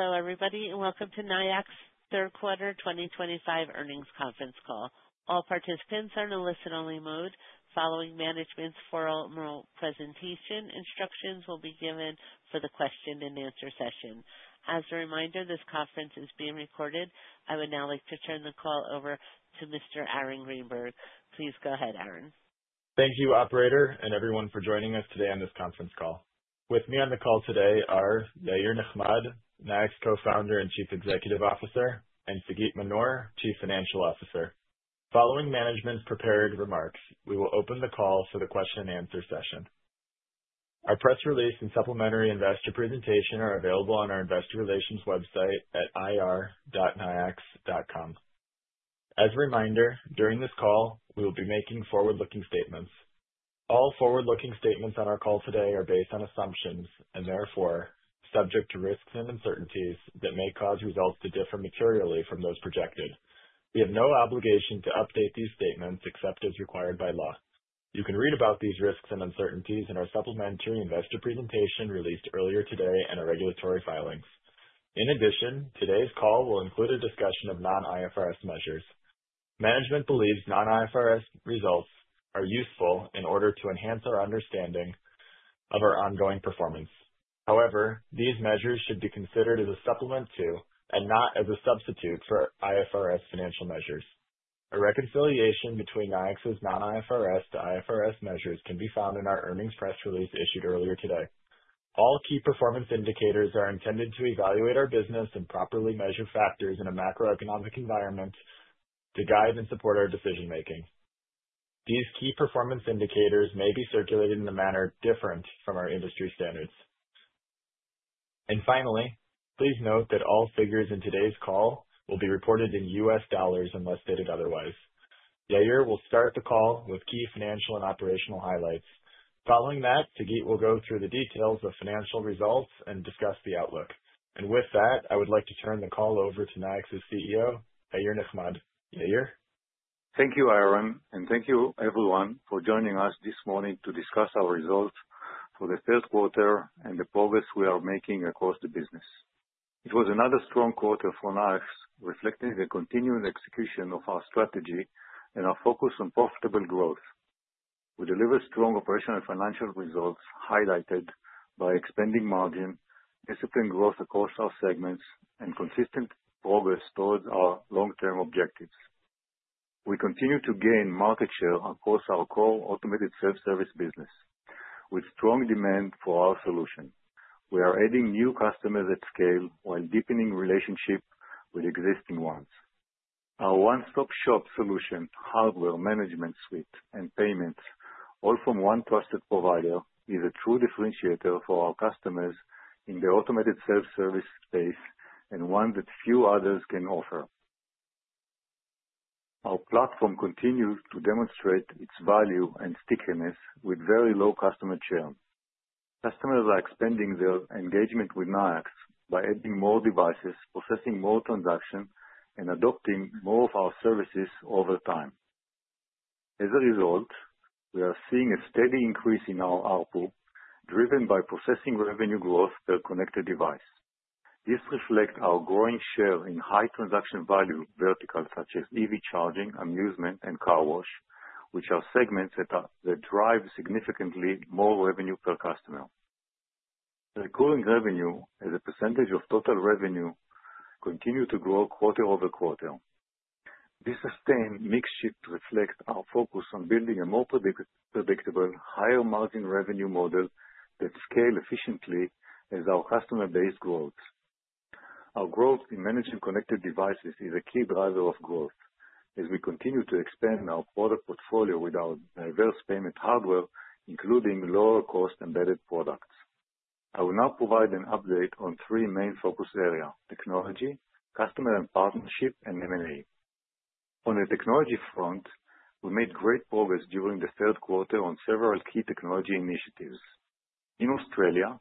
Hello, everybody, and welcome to Nayax Third Quarter 2025 Earnings Conference Call. All participants are in a listen-only mode. Following management's formal presentation, instructions will be given for the question-and-answer session. As a reminder, this conference is being recorded. I would now like to turn the call over to Mr. Aaron Greenberg. Please go ahead, Aaron. Thank you, Operator, and everyone, for joining us today on this conference call. With me on the call today are Yair Nechmad, Nayax Co-Founder and Chief Executive Officer, and Sagit Manor, Chief Financial Officer. Following management's prepared remarks, we will open the call for the question-and-answer session. Our press release and supplementary investor presentation are available on our investor relations website at ir-nayax.com. As a reminder, during this call, we will be making forward-looking statements. All forward-looking statements on our call today are based on assumptions and therefore subject to risks and uncertainties that may cause results to differ materially from those projected. We have no obligation to update these statements except as required by law. You can read about these risks and uncertainties in our supplementary investor presentation released earlier today in our regulatory filings. In addition, today's call will include a discussion of non-IFRS measures. Management believes non-IFRS results are useful in order to enhance our understanding of our ongoing performance. However, these measures should be considered as a supplement to and not as a substitute for IFRS financial measures. A reconciliation between Nayax's non-IFRS to IFRS measures can be found in our earnings press release issued earlier today. All key performance indicators are intended to evaluate our business and properly measure factors in a macroeconomic environment to guide and support our decision-making. These key performance indicators may be circulated in a manner different from our industry standards. Finally, please note that all figures in today's call will be reported in U.S. dollars unless stated otherwise. Yair will start the call with key financial and operational highlights. Following that, Sagit will go through the details of financial results and discuss the outlook. With that, I would like to turn the call over to Nayax's CEO, Yair Nechmad. Yair? Thank you, Aaron, and thank you, everyone, for joining us this morning to discuss our results for the third quarter and the progress we are making across the business. It was another strong quarter for Nayax, reflecting the continued execution of our strategy and our focus on profitable growth. We delivered strong operational and financial results highlighted by expanding margin, disciplined growth across our segments, and consistent progress towards our long-term objectives. We continue to gain market share across our core automated self-service business, with strong demand for our solution. We are adding new customers at scale while deepening relationships with existing ones. Our one-stop-shop solution, hardware management suite, and payments, all from one trusted provider, is a true differentiator for our customers in the automated self-service space and one that few others can offer. Our platform continues to demonstrate its value and stickiness with very low customer churn. Customers are expanding their engagement with Nayax by adding more devices, processing more transactions, and adopting more of our services over time. As a result, we are seeing a steady increase in our output driven by processing revenue growth per connected device. This reflects our growing share in high transaction value verticals such as EV charging, amusement, and car wash, which are segments that drive significantly more revenue per customer. Recurring revenue, as a percentage of total revenue, continues to grow quarter over quarter. This sustained mix shift reflects our focus on building a more predictable, higher-margin revenue model that scales efficiently as our customer base grows. Our growth in managing connected devices is a key driver of growth as we continue to expand our product portfolio with our diverse payment hardware, including lower-cost embedded products. I will now provide an update on three main focus areas: technology, customer and partnership, and M&A. On the technology front, we made great progress during the third quarter on several key technology initiatives. In Australia,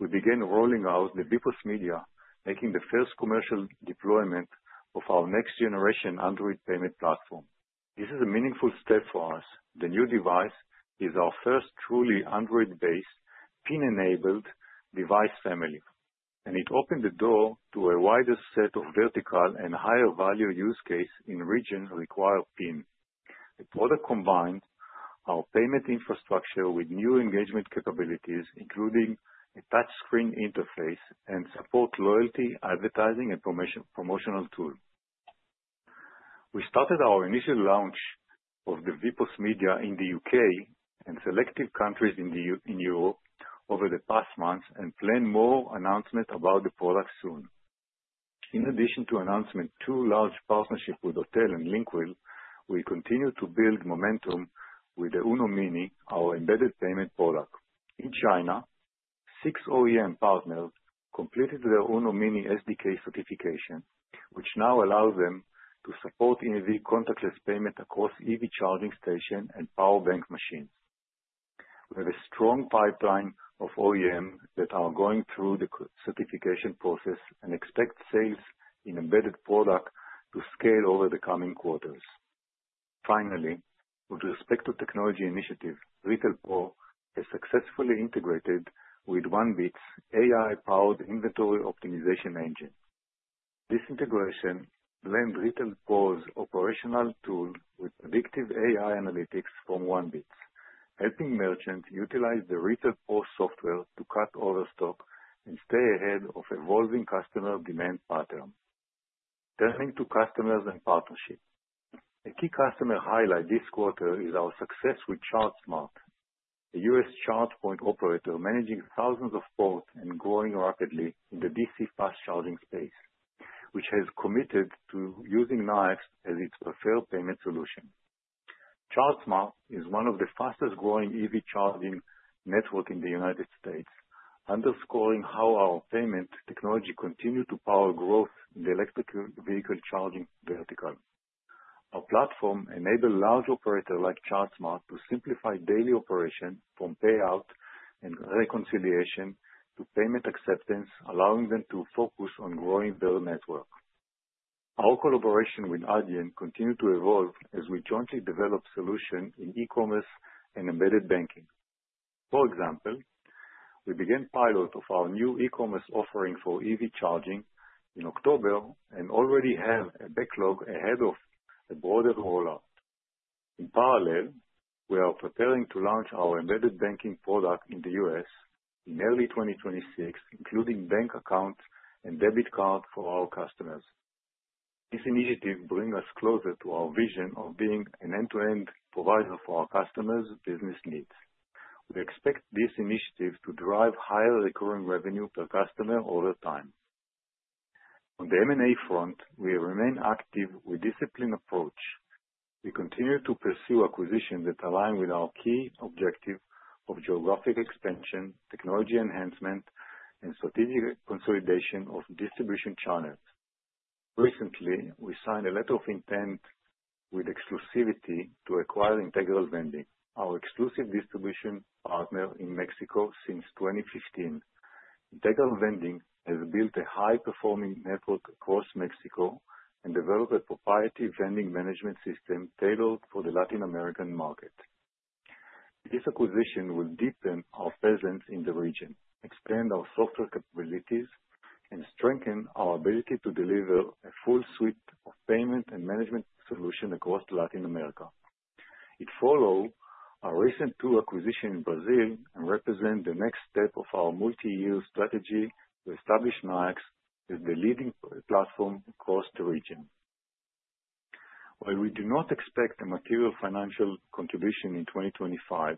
we began rolling out the VPOS Media, making the first commercial deployment of our next-generation Android payment platform. This is a meaningful step for us. The new device is our first truly Android-based, PIN-enabled device family, and it opened the door to a wider set of vertical and higher-value use cases in regions that require PIN. The product combines our payment infrastructure with new engagement capabilities, including a touchscreen interface and support loyalty advertising and promotional tools. We started our initial launch of the VPOS Media in the U.K. and selective countries in Europe over the past months and plan more announcements about the product soon. In addition to announcements, two large partnerships with Autel and Linkwell, we continue to build momentum with the UNO-Mini, our embedded payment product. In China, six OEM partners completed their UNO-Mini SDK certification, which now allows them to support EV contactless payment across EV charging stations and power bank machines. We have a strong pipeline of OEMs that are going through the certification process and expect sales in embedded products to scale over the coming quarters. Finally, with respect to technology initiatives, RetailPro has successfully integrated with 1BitDS, AI-powered inventory optimization engine. This integration blends RetailPro's operational tool with predictive AI analytics from 1BitDS, helping merchants utilize the RetailPro software to cut overstock and stay ahead of evolving customer demand patterns. Turning to customers and partnerships, a key customer highlight this quarter is our success with ChartSmart, a U.S. chargepoint operator managing thousands of ports and growing rapidly in the DC fast charging space, which has committed to using Nayax as its preferred payment solution. ChartSmart is one of the fastest-growing EV charging networks in the United States, underscoring how our payment technology continues to power growth in the electric vehicle charging vertical. Our platform enables large operators like ChartSmart to simplify daily operations, from payout and reconciliation to payment acceptance, allowing them to focus on growing their network. Our collaboration with Adyen continues to evolve as we jointly develop solutions in e-commerce and embedded banking. For example, we began a pilot of our new e-commerce offering for EV charging in October and already have a backlog ahead of a broader rollout. In parallel, we are preparing to launch our embedded banking product in the U.S. in early 2026, including bank accounts and debit cards for our customers. This initiative brings us closer to our vision of being an end-to-end provider for our customers' business needs. We expect this initiative to drive higher recurring revenue per customer over time. On the M&A front, we remain active with a disciplined approach. We continue to pursue acquisitions that align with our key objectives of geographic expansion, technology enhancement, and strategic consolidation of distribution channels. Recently, we signed a letter of intent with exclusivity to acquire Integral Vending, our exclusive distribution partner in Mexico since 2015. Integral Vending has built a high-performing network across Mexico and developed a proprietary vending management system tailored for the Latin American market. This acquisition will deepen our presence in the region, expand our software capabilities, and strengthen our ability to deliver a full suite of payment and management solutions across Latin America. It follows our recent two acquisitions in Brazil and represents the next step of our multi-year strategy to establish Nayax as the leading platform across the region. While we do not expect a material financial contribution in 2025,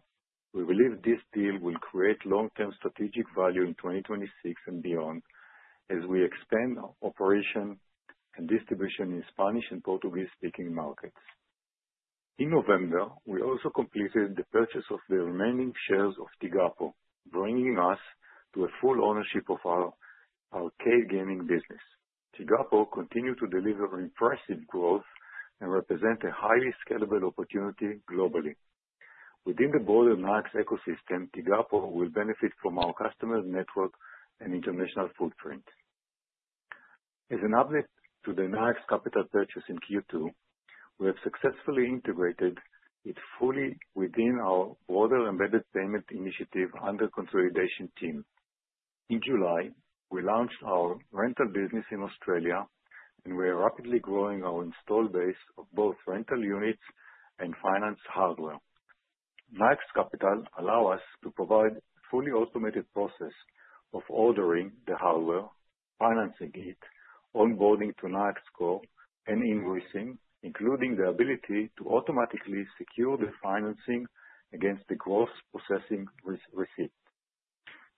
we believe this deal will create long-term strategic value in 2026 and beyond as we expand operations and distribution in Spanish and Portuguese-speaking markets. In November, we also completed the purchase of the remaining shares of Tigapo, bringing us to a full ownership of our arcade gaming business. Tigapo continues to deliver impressive growth and represents a highly scalable opportunity globally. Within the broader Nayax ecosystem, Tigapo will benefit from our customer network and international footprint. As an update to the Nayax Capital purchase in Q2, we have successfully integrated it fully within our broader embedded payment initiative under consolidation team. In July, we launched our rental business in Australia, and we are rapidly growing our install base of both rental units and finance hardware. Nayax Capital allows us to provide a fully automated process of ordering the hardware, financing it, onboarding to Nayax, and invoicing, including the ability to automatically secure the financing against the gross processing receipt.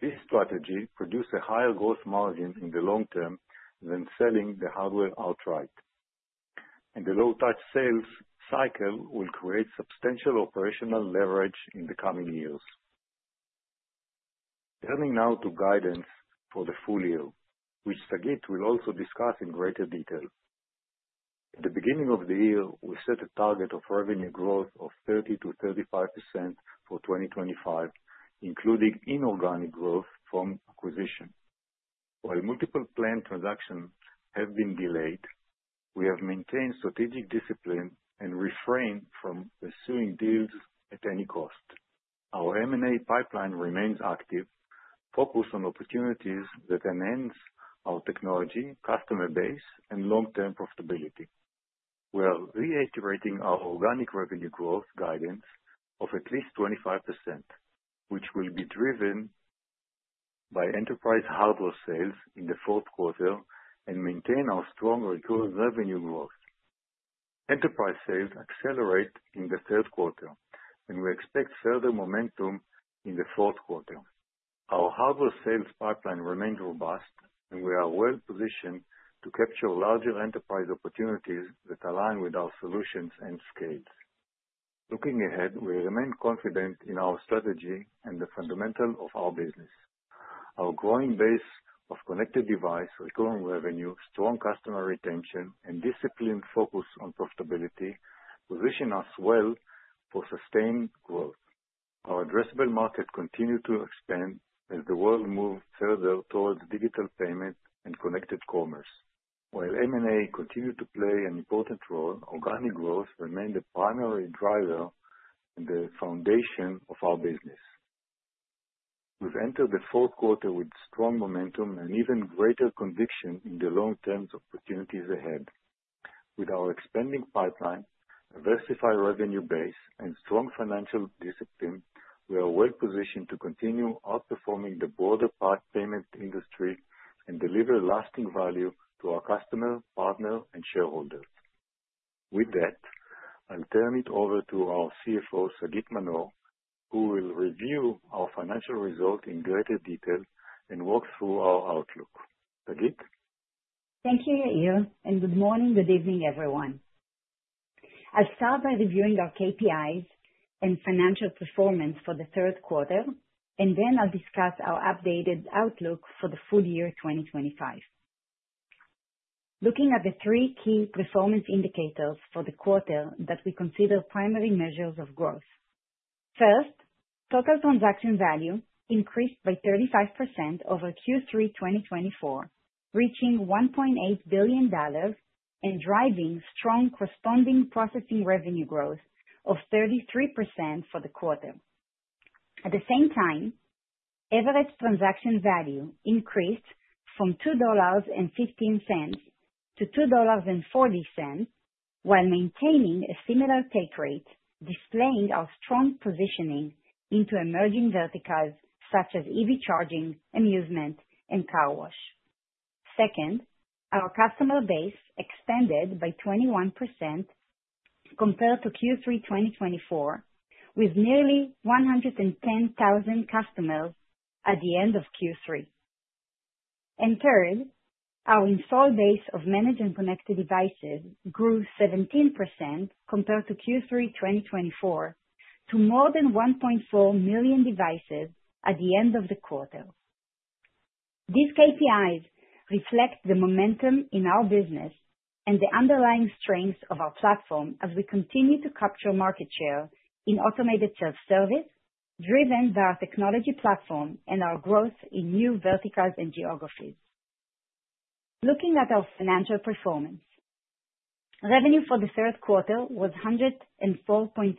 This strategy produces a higher gross margin in the long term than selling the hardware outright, and the low-touch sales cycle will create substantial operational leverage in the coming years. Turning now to guidance for the full year, which Sagit will also discuss in greater detail. At the beginning of the year, we set a target of revenue growth of 30%-35% for 2025, including inorganic growth from acquisition. While multiple planned transactions have been delayed, we have maintained strategic discipline and refrained from pursuing deals at any cost. Our M&A pipeline remains active, focused on opportunities that enhance our technology, customer base, and long-term profitability. We are reiterating our organic revenue growth guidance of at least 25%, which will be driven by enterprise hardware sales in the fourth quarter and maintain our strong recurring revenue growth. Enterprise sales accelerate in the third quarter, and we expect further momentum in the fourth quarter. Our hardware sales pipeline remains robust, and we are well-positioned to capture larger enterprise opportunities that align with our solutions and scales. Looking ahead, we remain confident in our strategy and the fundamentals of our business. Our growing base of connected devices, recurring revenue, strong customer retention, and disciplined focus on profitability position us well for sustained growth. Our addressable market continues to expand as the world moves further towards digital payment and connected commerce. While M&A continues to play an important role, organic growth remains the primary driver and the foundation of our business. We've entered the fourth quarter with strong momentum and even greater conviction in the long-term opportunities ahead. With our expanding pipeline, a versatile revenue base, and strong financial discipline, we are well-positioned to continue outperforming the broader payment industry and deliver lasting value to our customers, partners, and shareholders. With that, I'll turn it over to our CFO, Sagit Manor, who will review our financial results in greater detail and walk through our outlook. Sagit? Thank you, Yair, and good morning, good evening, everyone. I'll start by reviewing our KPIs and financial performance for the third quarter, and then I'll discuss our updated outlook for the full year 2025. Looking at the three key performance indicators for the quarter that we consider primary measures of growth. First, total transaction value increased by 35% over Q3 2024, reaching $1.8 billion and driving strong corresponding processing revenue growth of 33% for the quarter. At the same time, average transaction value increased from $2.15-$2.40 while maintaining a similar take rate, displaying our strong positioning into emerging verticals such as EV charging, amusement, and car wash. Second, our customer base expanded by 21% compared to Q3 2024, with nearly 110,000 customers at the end of Q3. Third, our install base of managed and connected devices grew 17% compared to Q3 2024, to more than 1.4 million devices at the end of the quarter. These KPIs reflect the momentum in our business and the underlying strengths of our platform as we continue to capture market share in automated self-service, driven by our technology platform and our growth in new verticals and geographies. Looking at our financial performance, revenue for the third quarter was $104.3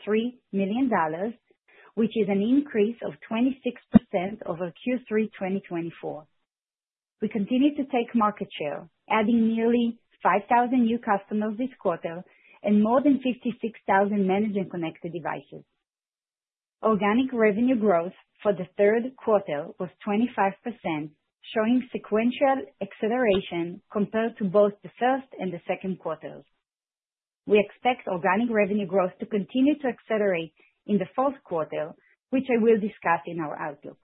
million, which is an increase of 26% over Q3 2024. We continue to take market share, adding nearly 5,000 new customers this quarter and more than 56,000 managed and connected devices. Organic revenue growth for the third quarter was 25%, showing sequential acceleration compared to both the first and the second quarters. We expect organic revenue growth to continue to accelerate in the fourth quarter, which I will discuss in our outlook.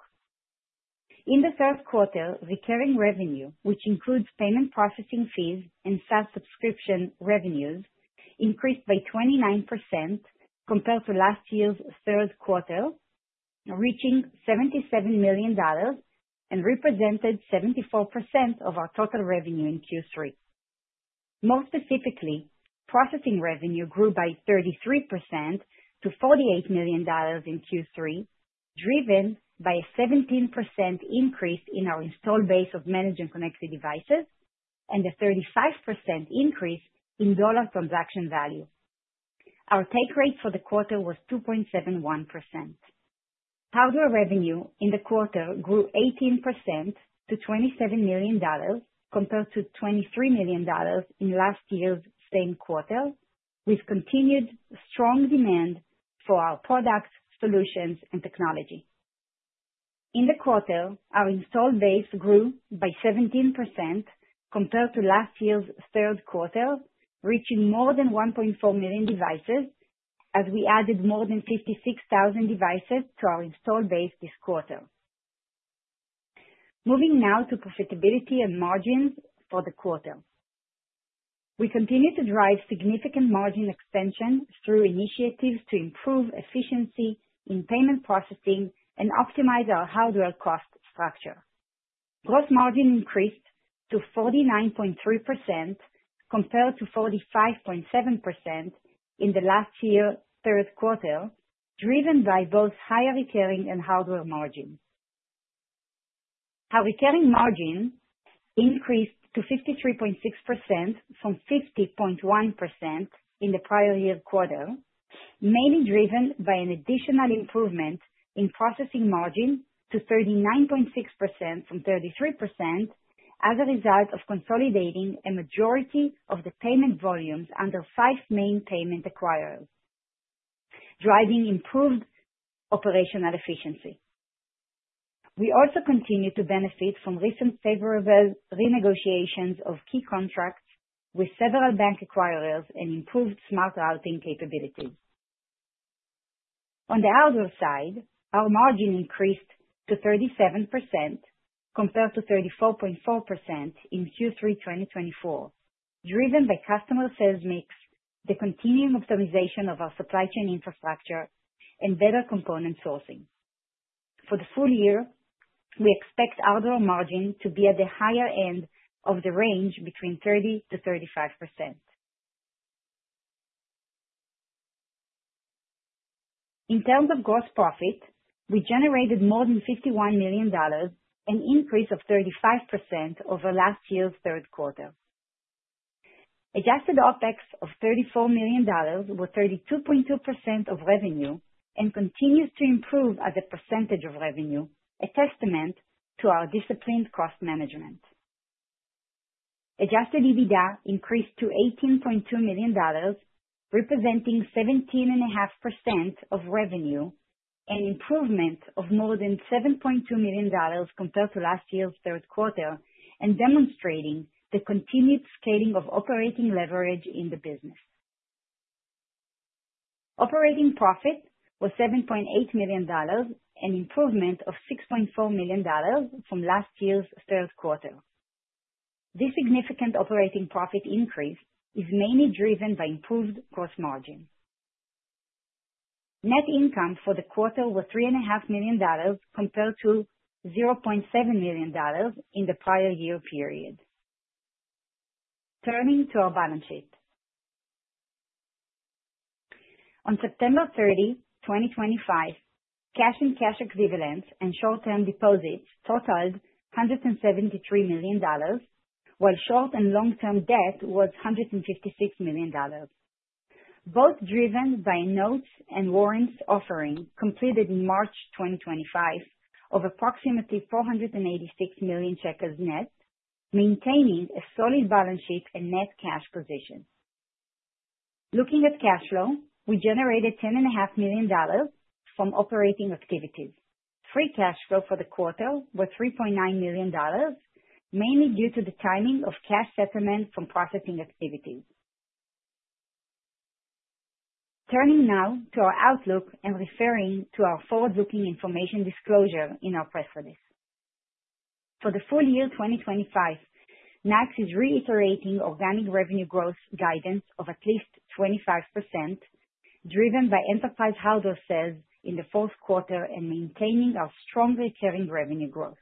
In the third quarter, recurring revenue, which includes payment processing fees and SaaS subscription revenues, increased by 29% compared to last year's third quarter, reaching $77 million and represented 74% of our total revenue in Q3. More specifically, processing revenue grew by 33% to $48 million in Q3, driven by a 17% increase in our install base of managed and connected devices and a 35% increase in dollar transaction value. Our take rate for the quarter was 2.71%. Hardware revenue in the quarter grew 18% to $27 million compared to $23 million in last year's same quarter, with continued strong demand for our products, solutions, and technology. In the quarter, our install base grew by 17% compared to last year's third quarter, reaching more than 1.4 million devices as we added more than 56,000 devices to our install base this quarter. Moving now to profitability and margins for the quarter. We continue to drive significant margin expansion through initiatives to improve efficiency in payment processing and optimize our hardware cost structure. Gross margin increased to 49.3% compared to 45.7% in last year's third quarter, driven by both higher recurring and hardware margins. Our recurring margin increased to 53.6% from 50.1% in the prior year quarter, mainly driven by an additional improvement in processing margin to 39.6% from 33% as a result of consolidating a majority of the payment volumes under five main payment acquirers, driving improved operational efficiency. We also continue to benefit from recent favorable renegotiations of key contracts with several bank acquirers and improved smart routing capabilities. On the hardware side, our margin increased to 37% compared to 34.4% in Q3 2024, driven by customer sales mix, the continuing optimization of our supply chain infrastructure, and better component sourcing. For the full year, we expect hardware margin to be at the higher end of the range between 30%-35%. In terms of gross profit, we generated more than $51 million, an increase of 35% over last year's third quarter. Adjusted OpEx of $34 million was 32.2% of revenue and continues to improve as a percentage of revenue, a testament to our disciplined cost management. Adjusted EBITDA increased to $18.2 million, representing 17.5% of revenue, an improvement of more than $7.2 million compared to last year's third quarter, and demonstrating the continued scaling of operating leverage in the business. Operating profit was $7.8 million, an improvement of $6.4 million from last year's third quarter. This significant operating profit increase is mainly driven by improved gross margin. Net income for the quarter was $3.5 million compared to $0.7 million in the prior year period. Turning to our balance sheet. On September 30, 2025, cash and cash equivalents and short-term deposits totaled $173 million, while short and long-term debt was $156 million. Both driven by notes and warrants offering completed in March 2025 of approximately $486 million net, maintaining a solid balance sheet and net cash position. Looking at cash flow, we generated $10.5 million from operating activities. Free cash flow for the quarter was $3.9 million, mainly due to the timing of cash settlement from processing activities. Turning now to our outlook and referring to our forward-looking information disclosure in our press release. For the full year 2025, Nayax is reiterating organic revenue growth guidance of at least 25%, driven by enterprise hardware sales in the fourth quarter and maintaining our strong recurring revenue growth.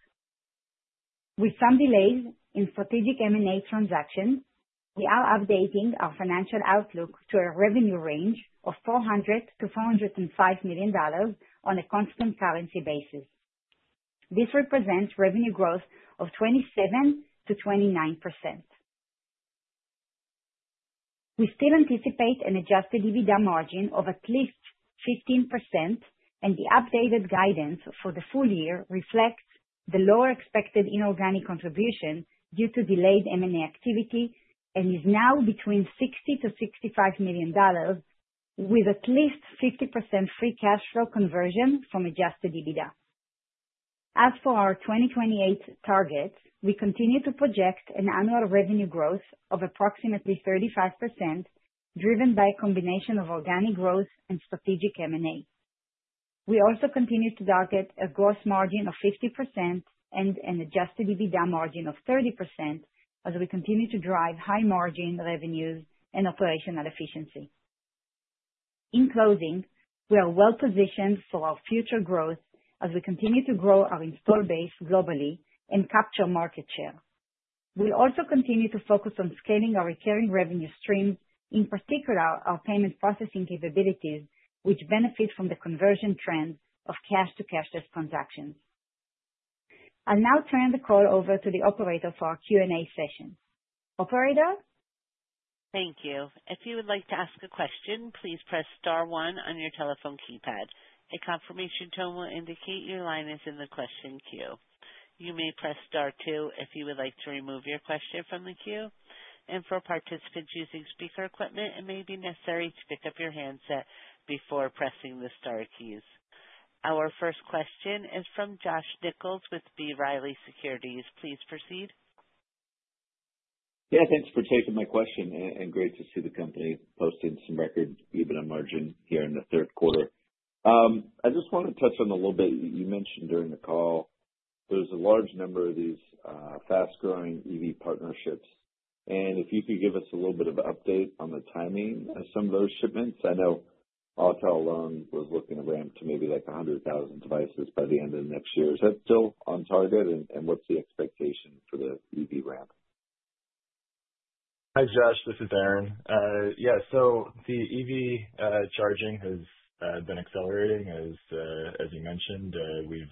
With some delays in strategic M&A transactions, we are updating our financial outlook to a revenue range of $400 million - $405 million on a constant currency basis. This represents revenue growth of 27%-29%. We still anticipate an adjusted EBITDA margin of at least 15%, and the updated guidance for the full year reflects the lower expected inorganic contribution due to delayed M&A activity and is now between $60 million - $65 million, with at least 50% free cash flow conversion from adjusted EBITDA. As for our 2028 targets, we continue to project an annual revenue growth of approximately 35%, driven by a combination of organic growth and strategic M&A. We also continue to target a gross margin of 50% and an adjusted EBITDA margin of 30% as we continue to drive high margin revenues and operational efficiency. In closing, we are well-positioned for our future growth as we continue to grow our install base globally and capture market share. We'll also continue to focus on scaling our recurring revenue streams, in particular our payment processing capabilities, which benefit from the conversion trend of cash-to-cashless transactions. I'll now turn the call over to the operator for our Q&A session. Operator? Thank you. If you would like to ask a question, please press star one on your telephone keypad. A confirmation tone will indicate your line is in the question queue. You may press star two if you would like to remove your question from the queue. For participants using speaker equipment, it may be necessary to pick up your handset before pressing the star keys. Our first question is from Josh Nichols with B. Riley Securities. Please proceed. Yeah, thanks for taking my question, and great to see the company posting some record EBITDA margin here in the third quarter. I just want to touch on a little bit you mentioned during the call. There's a large number of these fast-growing EV partnerships, and if you could give us a little bit of an update on the timing of some of those shipments. I know Autel was looking to ramp to maybe like 100,000 devices by the end of next year. Is that still on target, and what's the expectation for the EV ramp? Hi, Josh. This is Aaron. Yeah, so the EV charging has been accelerating, as you mentioned. We've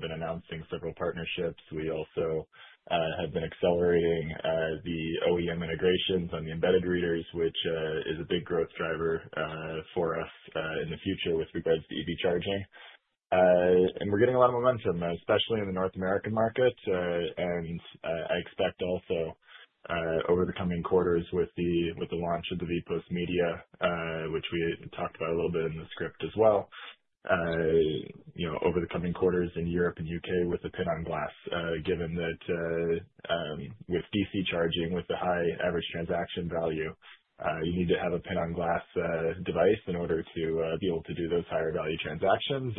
been announcing several partnerships. We also have been accelerating the OEM integrations on the embedded readers, which is a big growth driver for us in the future with regards to EV charging. We're getting a lot of momentum, especially in the North American market. I expect also over the coming quarters with the launch of the VPOS Media, which we talked about a little bit in the script as well, over the coming quarters in Europe and the U.K. with a PIN on glass, given that with DC charging with the high average transaction value, you need to have a PIN on glass device in order to be able to do those higher value transactions.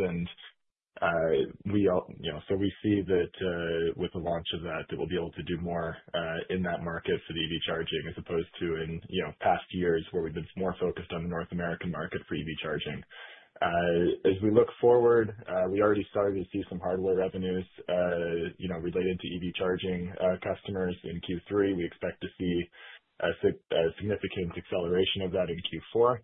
We see that with the launch of that, that we'll be able to do more in that market for the EV charging as opposed to in past years where we've been more focused on the North American market for EV charging. As we look forward, we already started to see some hardware revenues related to EV charging customers in Q3. We expect to see a significant acceleration of that in Q4.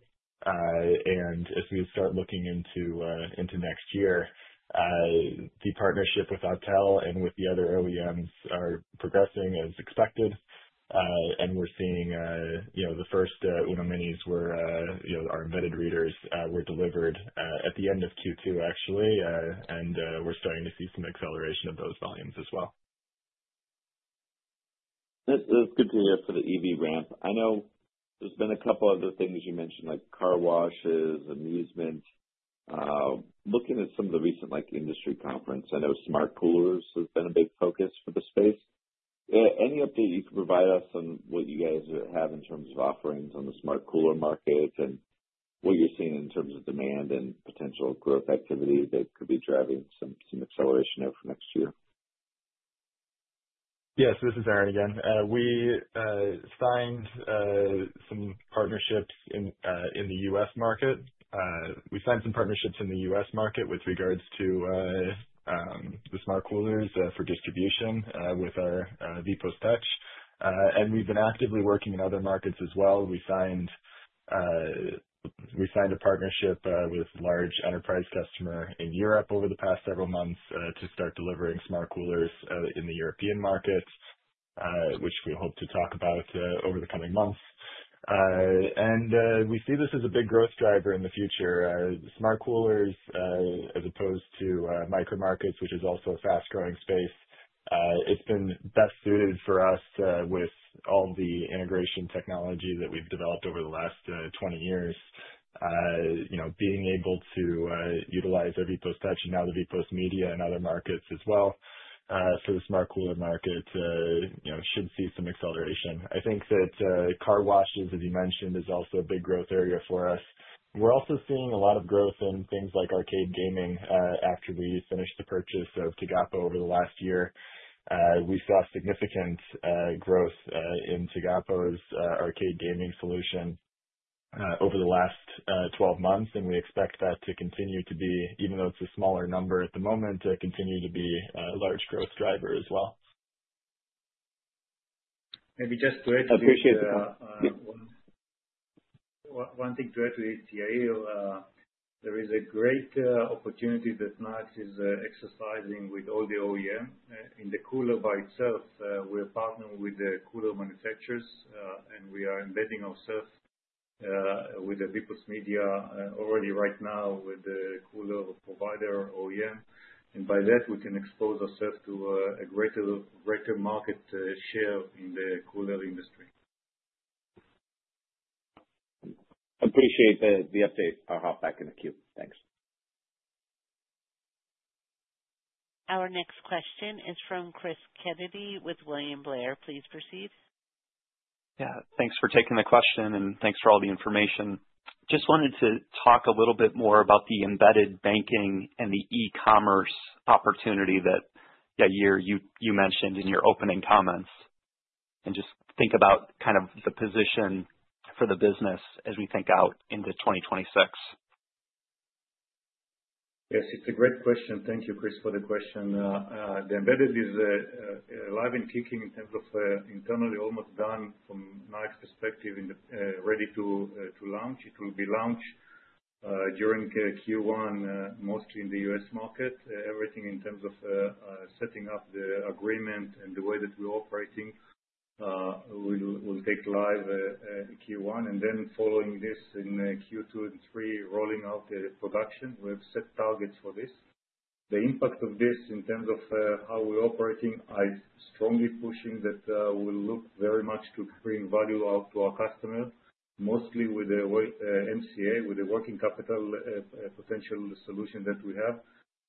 As we start looking into next year, the partnership with Autel and with the other OEMs are progressing as expected. We're seeing the first UNO-Minis where our embedded readers were delivered at the end of Q2, actually. We're starting to see some acceleration of those volumes as well. That's good to hear for the EV ramp. I know there's been a couple of other things you mentioned, like car washes, amusement. Looking at some of the recent industry conference, I know smart coolers have been a big focus for the space. Any update you can provide us on what you guys have in terms of offerings on the Smart Cooler market and what you're seeing in terms of demand and potential growth activity that could be driving some acceleration there for next year? Yes, this is Aaron again. We signed some partnerships in the U.S. market. We signed some partnerships in the U.S. market with regards to the Smart Coolers for distribution with our VPOS Touch. We have been actively working in other markets as well. We signed a partnership with a large enterprise customer in Europe over the past several months to start delivering Smart Coolers in the European markets, which we hope to talk about over the coming months. We see this as a big growth driver in the future. Smart Coolers, as opposed to micro markets, which is also a fast-growing space, have been best suited for us with all the integration technology that we have developed over the last 20 years. Being able to utilize our VPOS Touch and now the VPOS Media in other markets as well for the smart cooler market should see some acceleration. I think that car washes, as you mentioned, is also a big growth area for us. We're also seeing a lot of growth in things like arcade gaming. After we finished the purchase of Tigapo over the last year, we saw significant growth in Tigapo's arcade gaming solution over the last 12 months. We expect that to continue to be, even though it's a smaller number at the moment, continue to be a large growth driver as well. Maybe just to add to. I appreciate that. One thing to add to it, Yair, there is a great opportunity that Nayax is exercising with all the OEM. In the cooler by itself, we are partnering with the cooler manufacturers, and we are embedding ourselves with the VPOS Media already right now with the cooler provider OEM. By that, we can expose ourselves to a greater market share in the cooler industry. I appreciate the update. I'll hop back in the queue. Thanks. Our next question is from Chris Kennedy with William Blair. Please proceed. Yeah, thanks for taking the question, and thanks for all the information. Just wanted to talk a little bit more about the embedded banking and the e-commerce opportunity that Yair, you mentioned in your opening comments. Just think about kind of the position for the business as we think out into 2026. Yes, it's a great question. Thank you, Chris, for the question. The embedded is alive and kicking in terms of internally almost done from Nayax's perspective and ready to launch. It will be launched during Q1, mostly in the U.S. market. Everything in terms of setting up the agreement and the way that we're operating will take live Q1. Following this in Q2 and Q3, rolling out the production. We have set targets for this. The impact of this in terms of how we're operating, I strongly push that we'll look very much to bring value out to our customers, mostly with the MCA, with the working capital potential solution that we have.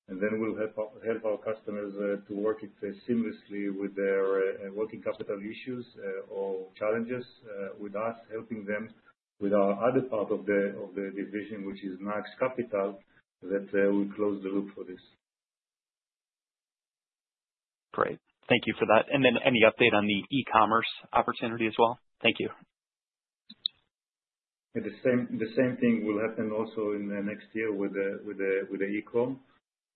We will help our customers to work it seamlessly with their working capital issues or challenges with us, helping them with our other part of the division, which is Nayax Capital, that we close the loop for this. Great. Thank you for that. Any update on the e-commerce opportunity as well? Thank you. The same thing will happen also in the next year with the e-com.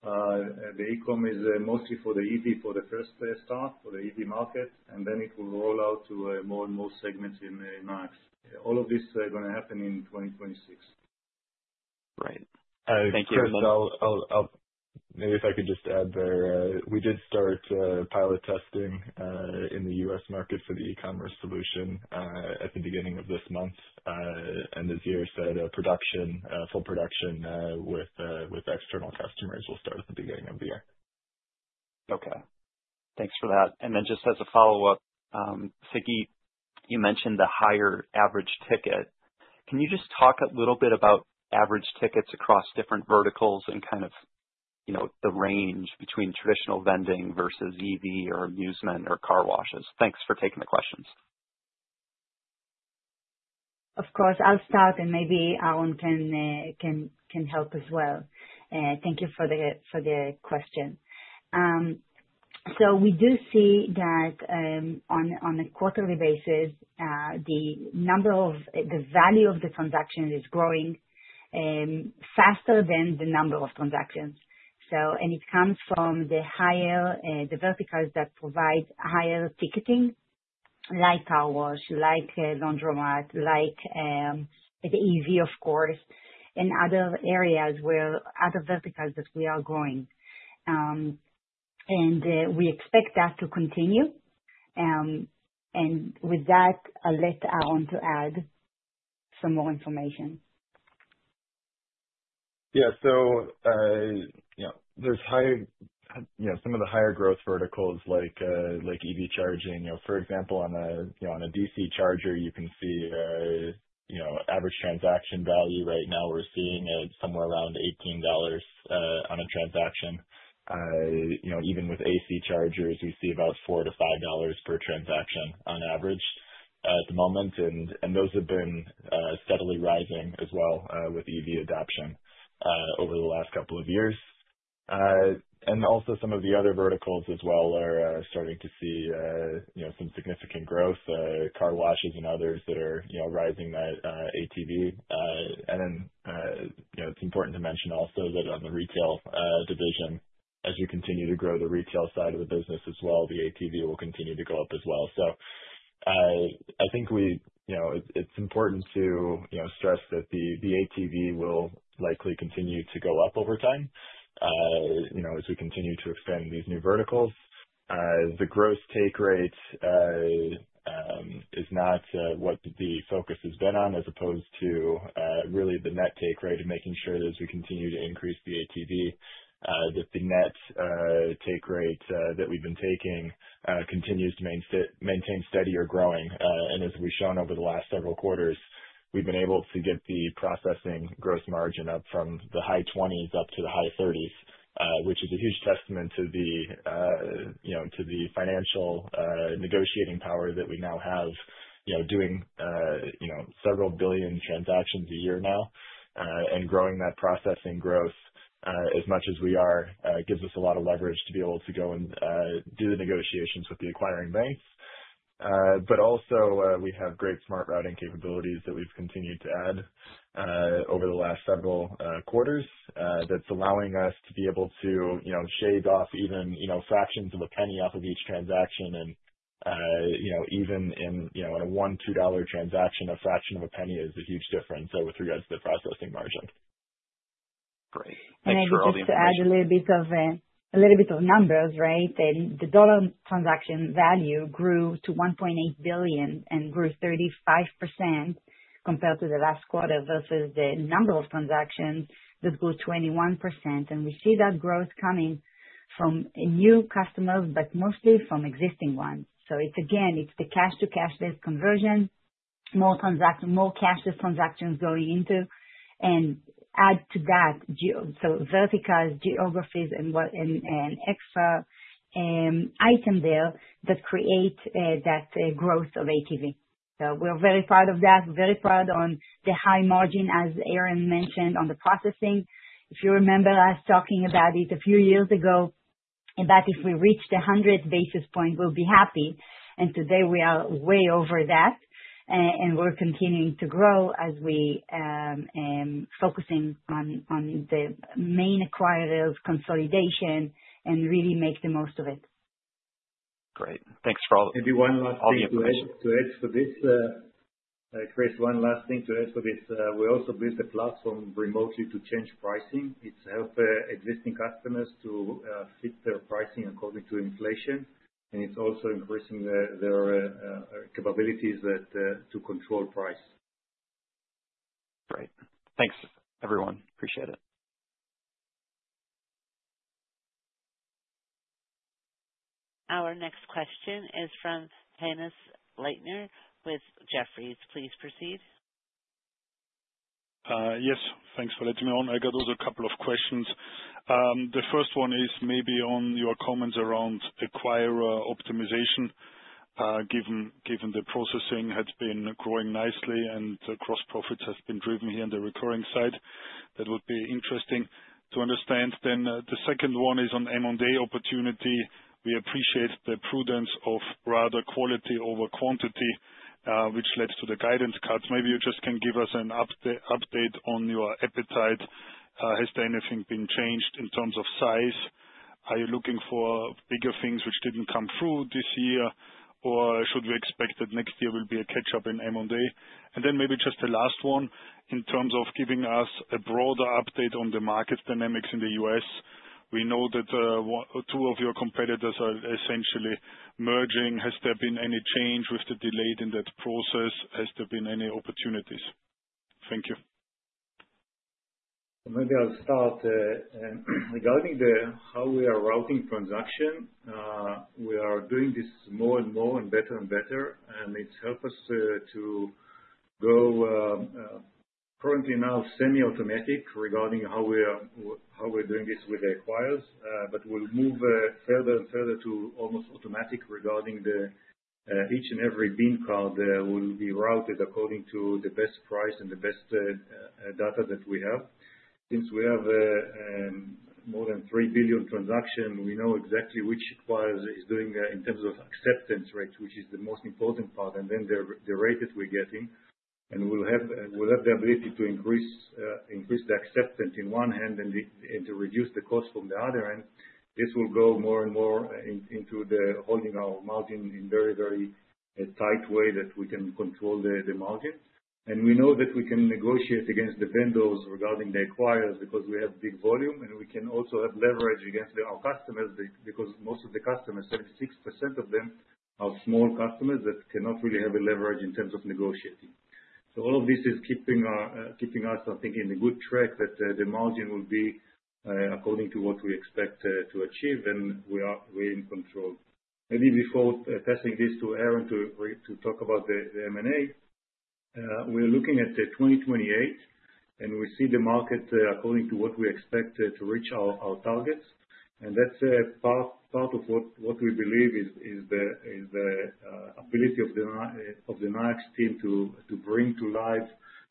The e-com is mostly for the EV for the first start for the EV market, and then it will roll out to more and more segments in Nayax. All of this is going to happen in 2026. Great. Thank you very much. Chris, maybe if I could just add there, we did start pilot testing in the U.S. market for the e-commerce solution at the beginning of this month. As Yair said, full production with external customers will start at the beginning of the year. Okay. Thanks for that. Just as a follow-up, Siggy, you mentioned the higher average ticket. Can you just talk a little bit about average tickets across different verticals and kind of the range between traditional vending versus EV or amusement or car washes? Thanks for taking the questions. Of course. I'll start, and maybe Aaron can help as well. Thank you for the question. We do see that on a quarterly basis, the value of the transaction is growing faster than the number of transactions. It comes from the verticals that provide higher ticketing, like car wash, like laundromat, like the EV, of course, and other areas where other verticals that we are growing. We expect that to continue. With that, I'll let Aaron add some more information. Yeah. There are some of the higher growth verticals like EV charging. For example, on a DC charger, you can see average transaction value. Right now, we're seeing it somewhere around $18 on a transaction. Even with AC chargers, we see about $4-$5 per transaction on average at the moment. Those have been steadily rising as well with EV adoption over the last couple of years. Also, some of the other verticals as well are starting to see some significant growth, car washes and others that are rising that ATV. It is important to mention also that on the retail division, as we continue to grow the retail side of the business as well, the ATV will continue to go up as well. I think it's important to stress that the ATV will likely continue to go up over time as we continue to expand these new verticals. The gross take rate is not what the focus has been on, as opposed to really the net take rate and making sure that as we continue to increase the ATV, that the net take rate that we've been taking continues to maintain steady or growing. As we've shown over the last several quarters, we've been able to get the processing gross margin up from the high 20s up to the high 30s, which is a huge testament to the financial negotiating power that we now have doing several billion transactions a year now. Growing that processing growth as much as we are gives us a lot of leverage to be able to go and do the negotiations with the acquiring banks. Also, we have great smart routing capabilities that we've continued to add over the last several quarters that's allowing us to be able to shave off even fractions of a penny off of each transaction. Even in a $1-$2 transaction, a fraction of a penny is a huge difference with regards to the processing margin. Great. Thanks for all the information. Just to add a little bit of numbers, right? The dollar transaction value grew to $1.8 billion and grew 35% compared to the last quarter versus the number of transactions that grew 21%. We see that growth coming from new customers, but mostly from existing ones. It's the cash-to-cash-based conversion, more cash-based transactions going into. Add to that, verticals, geographies, and extra items there that create that growth of ATV. We're very proud of that. We're very proud of the high margin, as Aaron mentioned, on the processing. If you remember us talking about it a few years ago about if we reached the 100 basis points, we'll be happy. Today, we are way over that. We're continuing to grow as we are focusing on the main acquirers, consolidation, and really make the most of it. Great. Thanks for all the information. Maybe one last thing to add to this, Chris, one last thing to add to this. We also built a platform remotely to change pricing. It has helped existing customers to fit their pricing according to inflation. It is also increasing their capabilities to control price. Great. Thanks, everyone. Appreciate it. Our next question is from Hannes Leitner with Jefferies. Please proceed. Yes. Thanks for letting me on. I got also a couple of questions. The first one is maybe on your comments around acquirer optimization, given the processing has been growing nicely and the gross profits have been driven here on the recurring side. That would be interesting to understand. The second one is on M&A opportunity. We appreciate the prudence of rather quality over quantity, which led to the guidance cuts. Maybe you just can give us an update on your appetite. Has anything been changed in terms of size? Are you looking for bigger things which did not come through this year? Should we expect that next year will be a catch-up in M&A? Maybe just the last one in terms of giving us a broader update on the market dynamics in the U.S. We know that two of your competitors are essentially merging. Has there been any change with the delay in that process? Has there been any opportunities? Thank you. Maybe I'll start regarding how we are routing transactions. We are doing this more and more and better and better. It's helped us to go currently now semi-automatic regarding how we're doing this with the acquirers. We'll move further and further to almost automatic regarding each and every BIN card will be routed according to the best price and the best data that we have. Since we have more than 3 billion transactions, we know exactly which acquirer is doing in terms of acceptance rate, which is the most important part. Then the rate that we're getting. We'll have the ability to increase the acceptance on one hand and to reduce the cost on the other hand. This will go more and more into holding our margin in a very, very tight way that we can control the margin. We know that we can negotiate against the vendors regarding the acquirers because we have big volume. We can also have leverage against our customers because most of the customers, 76% of them, are small customers that cannot really have a leverage in terms of negotiating. All of this is keeping us, I think, on a good track that the margin will be according to what we expect to achieve, and we are in control. Maybe before passing this to Aaron to talk about the M&A, we are looking at 2028, and we see the market according to what we expect to reach our targets. That is part of what we believe is the ability of the Nayax team to bring to life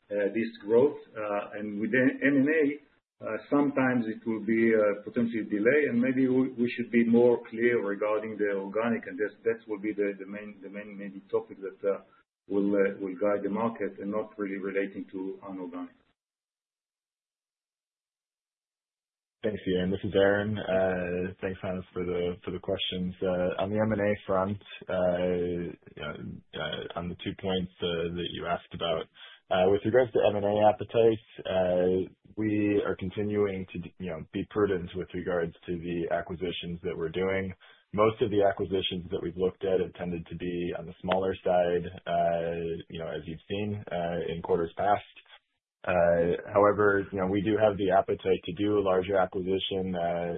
this growth. With the M&A, sometimes it will be a potential delay. Maybe we should be more clear regarding the organic. That will be the main topic that will guide the market and not really relating to an organic. Thanks, Tanis. This is Aaron. Thanks, Hannes, for the questions. On the M&A front, on the two points that you asked about, with regards to M&A appetite, we are continuing to be prudent with regards to the acquisitions that we're doing. Most of the acquisitions that we've looked at have tended to be on the smaller side, as you've seen in quarters past. However, we do have the appetite to do a larger acquisition,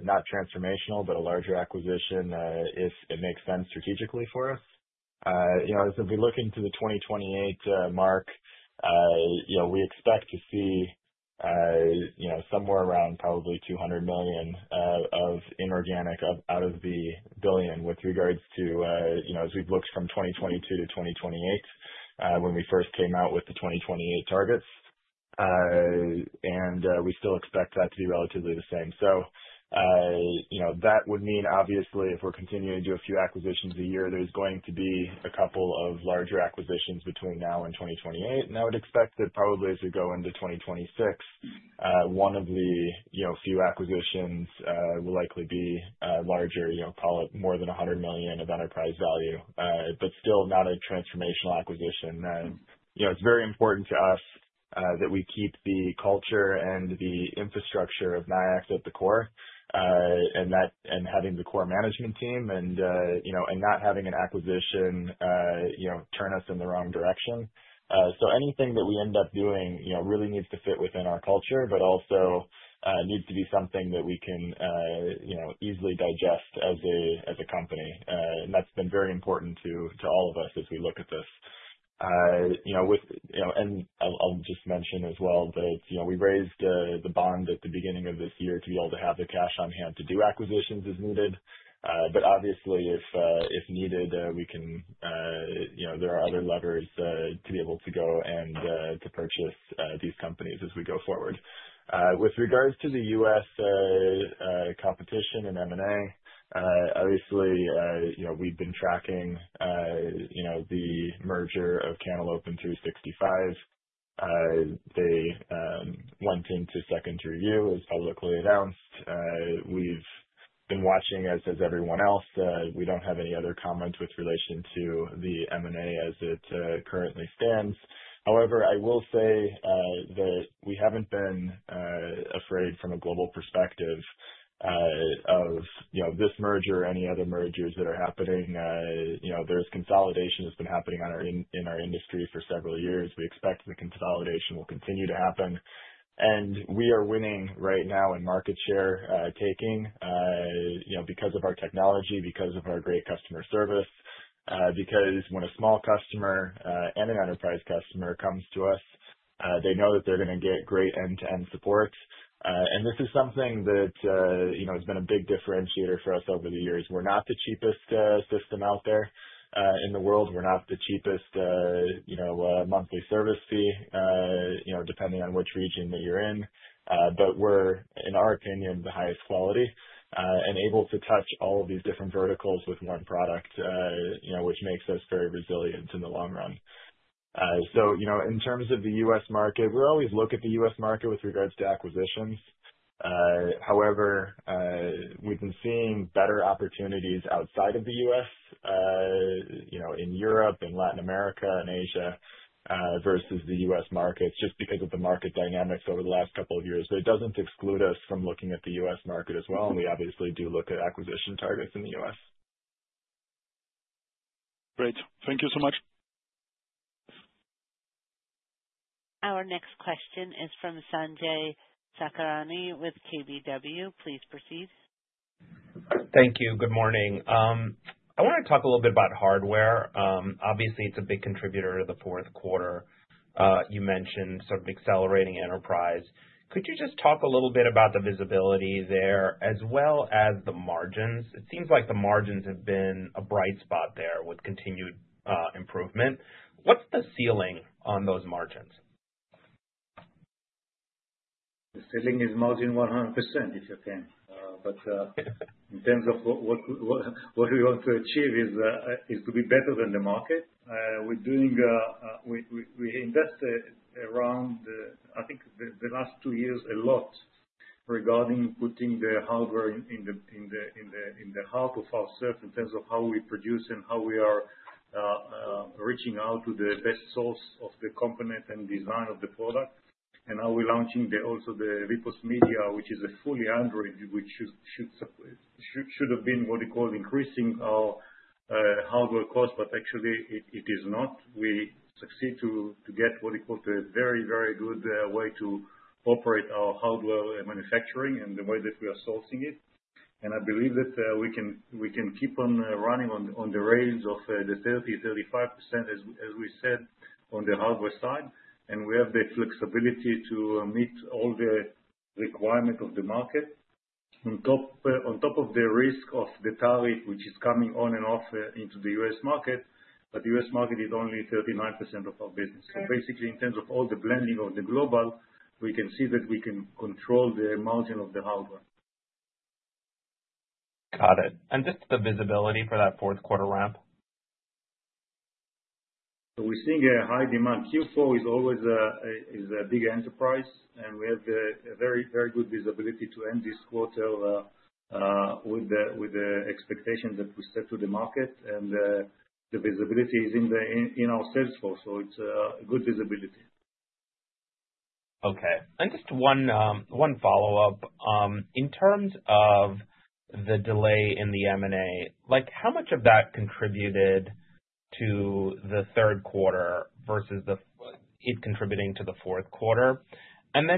not transformational, but a larger acquisition if it makes sense strategically for us. As we look into the 2028 mark, we expect to see somewhere around probably $200 million of inorganic out of the billion with regards to, as we've looked from 2022-2028 when we first came out with the 2028 targets. We still expect that to be relatively the same. That would mean, obviously, if we're continuing to do a few acquisitions a year, there's going to be a couple of larger acquisitions between now and 2028. I would expect that probably as we go into 2026, one of the few acquisitions will likely be larger, call it more than $100 million of enterprise value, but still not a transformational acquisition. It's very important to us that we keep the culture and the infrastructure of Nayax at the core and having the core management team and not having an acquisition turn us in the wrong direction. Anything that we end up doing really needs to fit within our culture, but also needs to be something that we can easily digest as a company. That's been very important to all of us as we look at this. I will just mention as well that we raised the bond at the beginning of this year to be able to have the cash on hand to do acquisitions as needed. Obviously, if needed, there are other levers to be able to go and to purchase these companies as we go forward. With regards to the U.S. competition in M&A, obviously, we have been tracking the merger of Canal Open 365. They went into second review as publicly announced. We have been watching as everyone else. We do not have any other comments with relation to the M&A as it currently stands. However, I will say that we have not been afraid from a global perspective of this merger or any other mergers that are happening. There is consolidation that has been happening in our industry for several years. We expect the consolidation will continue to happen. We are winning right now in market share taking because of our technology, because of our great customer service, because when a small customer and an enterprise customer comes to us, they know that they're going to get great end-to-end support. This is something that has been a big differentiator for us over the years. We're not the cheapest system out there in the world. We're not the cheapest monthly service fee depending on which region that you're in. In our opinion, we're the highest quality and able to touch all of these different verticals with one product, which makes us very resilient in the long run. In terms of the U.S. market, we always look at the U.S. market with regards to acquisitions. However, we've been seeing better opportunities outside of the U.S. in Europe in Latin America and Asia versus the U.S. market just because of the market dynamics over the last couple of years. It does not exclude us from looking at the U.S. market as well. We obviously do look at acquisition targets in the U.S. Great. Thank you so much. Our next question is from Sanjay Sakhrani with KBW. Please proceed. Thank you. Good morning. I want to talk a little bit about hardware. Obviously, it's a big contributor to the fourth quarter. You mentioned sort of accelerating enterprise. Could you just talk a little bit about the visibility there as well as the margins? It seems like the margins have been a bright spot there with continued improvement. What's the ceiling on those margins? The ceiling is margin 100%, if you can. In terms of what we want to achieve is to be better than the market. We invested around, I think, the last two years a lot regarding putting the hardware in the heart of ourselves in terms of how we produce and how we are reaching out to the best source of the component and design of the product. Now we're launching also the VPOS Media, which is a fully Android, which should have been what we call increasing our hardware cost, but actually, it is not. We succeed to get what we call a very, very good way to operate our hardware manufacturing and the way that we are sourcing it. I believe that we can keep on running on the rails of the 30%-35% as we said on the hardware side. We have the flexibility to meet all the requirements of the market on top of the risk of the tariff, which is coming on and off into the U.S. market. The U.S. market is only 39% of our business. Basically, in terms of all the blending of the global, we can see that we can control the margin of the hardware. Got it. Just the visibility for that fourth quarter ramp? We're seeing a high demand. Q4 is always a big enterprise. We have a very, very good visibility to end this quarter with the expectations that we set to the market. The visibility is in our sales force. It's a good visibility. Okay. Just one follow-up. In terms of the delay in the M&A, how much of that contributed to the third quarter versus it contributing to the fourth quarter?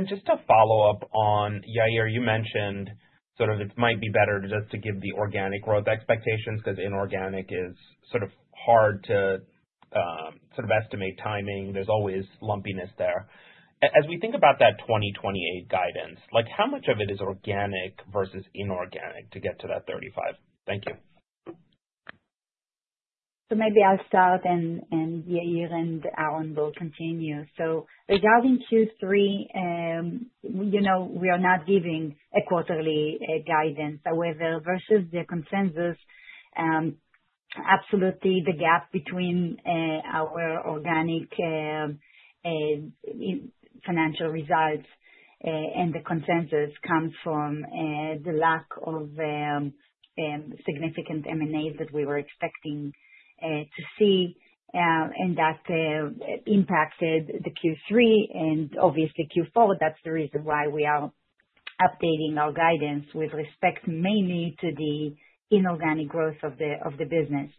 Just to follow up on, Yair, you mentioned sort of it might be better just to give the organic growth expectations because inorganic is sort of hard to sort of estimate timing. There is always lumpiness there. As we think about that 2028 guidance, how much of it is organic versus inorganic to get to that 35? Thank you. Maybe I'll start, and Yair and Aaron will continue. Regarding Q3, we are not giving a quarterly guidance. However, versus the consensus, absolutely, the gap between our organic financial results and the consensus comes from the lack of significant M&As that we were expecting to see. That impacted Q3. Obviously, Q4, that's the reason why we are updating our guidance with respect mainly to the inorganic growth of the business.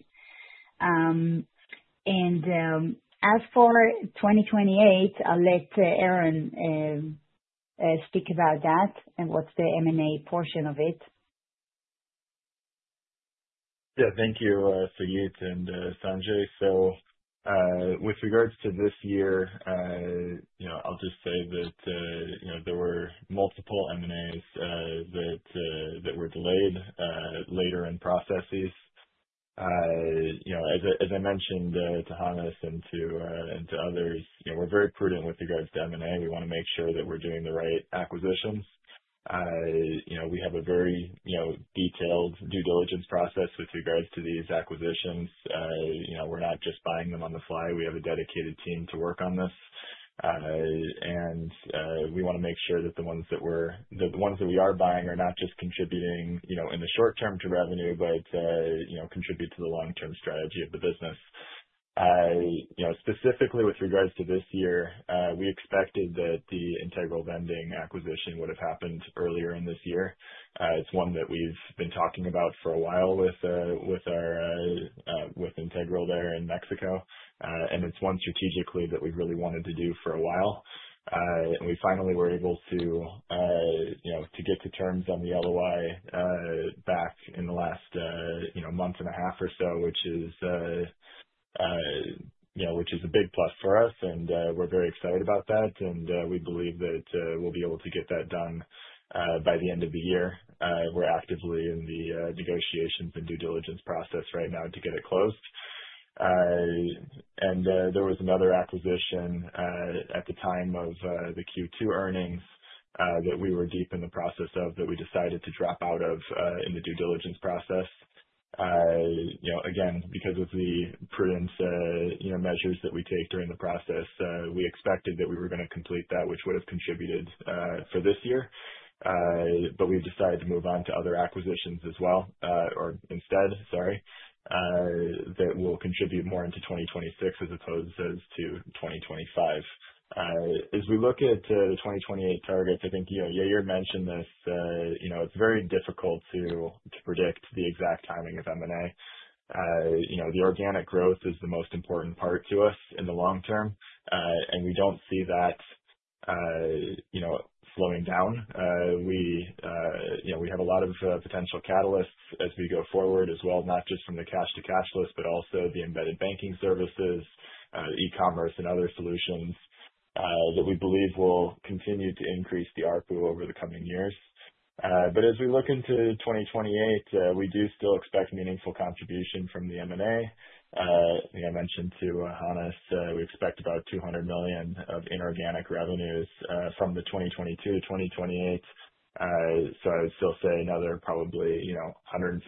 As for 2028, I'll let Aaron speak about that and what's the M&A portion of it. Yeah. Thank you, Sagit and Sanjay. With regards to this year, I'll just say that there were multiple M&As that were delayed later in processes. As I mentioned to Hannes and to others, we're very prudent with regards to M&A. We want to make sure that we're doing the right acquisitions. We have a very detailed due diligence process with regards to these acquisitions. We're not just buying them on the fly. We have a dedicated team to work on this. We want to make sure that the ones that we are buying are not just contributing in the short term to revenue, but contribute to the long-term strategy of the business. Specifically, with regards to this year, we expected that the Integral Vending acquisition would have happened earlier in this year. It's one that we've been talking about for a while with Integral there in Mexico. It is one strategically that we've really wanted to do for a while. We finally were able to get to terms on the LOI back in the last month and a half or so, which is a big plus for us. We are very excited about that. We believe that we'll be able to get that done by the end of the year. We are actively in the negotiations and due diligence process right now to get it closed. There was another acquisition at the time of the Q2 earnings that we were deep in the process of that we decided to drop out of in the due diligence process. Again, because of the prudent measures that we take during the process, we expected that we were going to complete that, which would have contributed for this year. We have decided to move on to other acquisitions as well, or instead, sorry, that will contribute more into 2026 as opposed to 2025. As we look at the 2028 targets, I think Yair mentioned this. It is very difficult to predict the exact timing of M&A. The organic growth is the most important part to us in the long term. We don't see that slowing down. We have a lot of potential catalysts as we go forward as well, not just from the cash-to-cash list, but also the embedded banking services, e-commerce, and other solutions that we believe will continue to increase the ARPU over the coming years. As we look into 2028, we do still expect meaningful contribution from the M&A. I mentioned to Hannes, we expect about $200 million of inorganic revenues from 2022 to 2028. I would still say another probably $150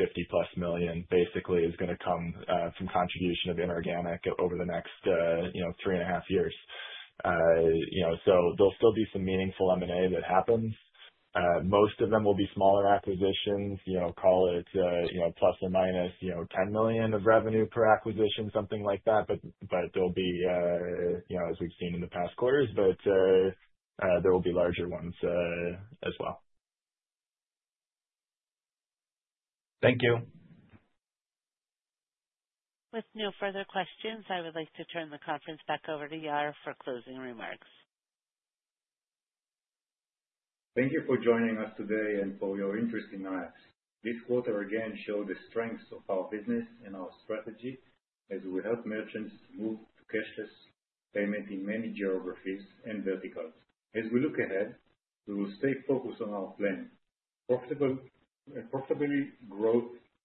million+ basically is going to come from contribution of inorganic over the next three and a half years. Those still be some meaningful M&A that happens. Most of them will be smaller acquisitions, call it plus or minus $10 million of revenue per acquisition, something like that. As we have seen in the past quarters, there will be larger ones as well. Thank you. With no further questions, I would like to turn the conference back over to Yair for closing remarks. Thank you for joining us today and for your interest in Nayax. This quarter, again, showed the strengths of our business and our strategy as we help merchants move to cashless payment in many geographies and verticals. As we look ahead, we will stay focused on our plan, profitably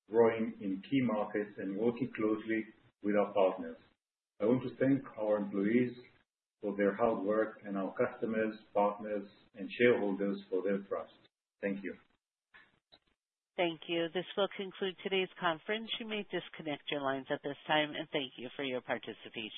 growing in key markets and working closely with our partners. I want to thank our employees for their hard work and our customers, partners, and shareholders for their trust. Thank you. Thank you. This will conclude today's conference. You may disconnect your lines at this time. Thank you for your participation.